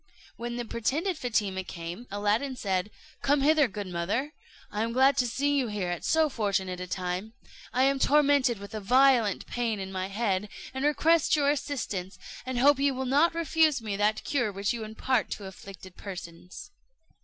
When the pretended Fatima came, Aladdin said, "Come hither, good mother; I am glad to see you here at so fortunate a time. I am tormented with a violent pain in my head, and request your assistance, and hope you will not refuse me that cure which you impart to afflicted persons."